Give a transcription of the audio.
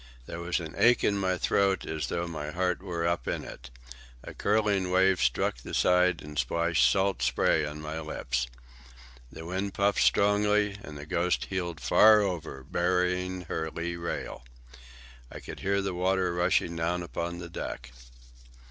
There was an ache in my throat as though my heart were up in it. A curling wave struck the side and splashed salt spray on my lips. The wind puffed strongly, and the Ghost heeled far over, burying her lee rail. I could hear the water rushing down upon the deck.